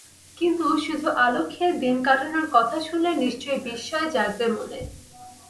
কিন্তু শুধু আলু খেয়ে দিন কাটানোর কথা শুনলে নিশ্চয় বিস্ময়ই জাগবে মনে।